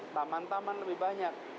taman taman lebih banyak